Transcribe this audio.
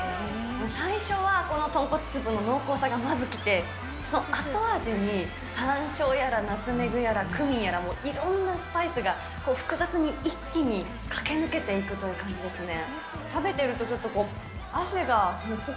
最初はこの豚骨スープの濃厚さがまず来て、後味にさんしょうやら、ナツメグやらクミンやら、いろんなスパイスが複雑に一気に駆け抜けていくという感じですね。